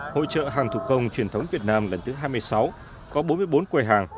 hội trợ hàng thủ công truyền thống việt nam lần thứ hai mươi sáu có bốn mươi bốn quầy hàng